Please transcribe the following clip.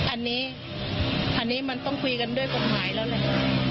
อันนี้มันต้องคุยกันด้วยกรรมหายแล้วเลย